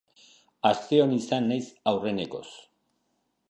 Asteon izan naiz aurrenekoz.